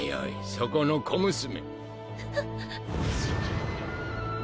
そこの小娘。